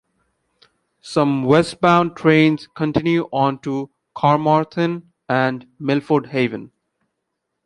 Some westbound trains continue on to Carmarthen and Milford Haven.